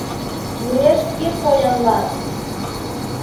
Вуеш кир Поянлан